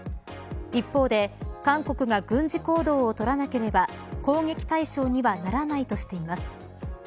一方で、韓国が軍事行動をとらなければ攻撃対象にはならないとしています。